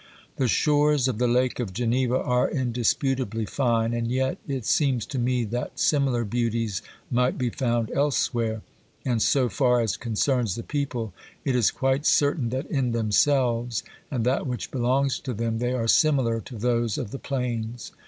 The shores of the lake of Geneva are indisputably fine, and yet it seems to me that similar beauties might be found elsewhere, and, so far as concerns the people, it is quite certain that in themselves and that which belongs to them, they are similar to those of the plains.